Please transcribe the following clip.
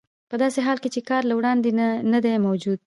په داسې حال کې چې کار له وړاندې نه دی موجود